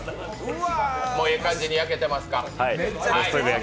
もうええ感じに焼けてますか？